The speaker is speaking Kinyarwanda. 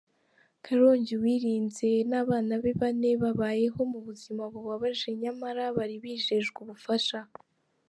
Karongi: Uwirinze n’ abana be bane babayeho mu buzima bubabaje nyamara bari bijejwe ubufasha.